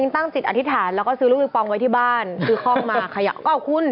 ตั้งจิตอธิษฐานแล้วก็ซื้อลูกปิงปองไว้ที่บ้านคือคล่องมาขยะก็เอาคุณ